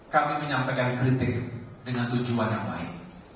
kami menyampaikan kritik dengan tujuan yang baik